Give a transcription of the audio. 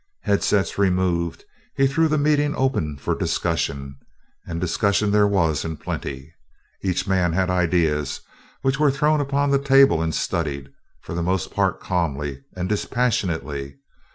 Headsets removed, he threw the meeting open for discussion and discussion there was in plenty. Each man had ideas, which were thrown upon the table and studied, for the most part calmly and dispassionately.